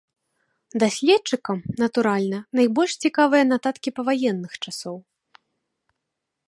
Даследчыкам, натуральна, найбольш цікавыя нататкі паваенных часоў.